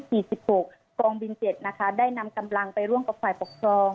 จากนี้คือกองใวน์๗นะคะได้นำกำลังไปร่วงกับไข่ปกครอง